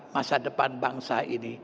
masa depan bangsa ini